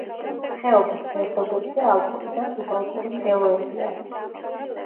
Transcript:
ხეობის ფერდობებზე ალპური და სუბალპური მდელოებია.